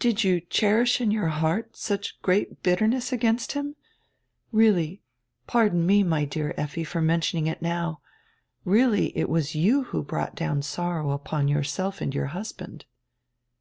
"Did you cherish in your heart such great bitterness against him? Really — pardon me, my dear Effi, for men tioning it now — really it was you who brought down sorrow upon yourself and your husband."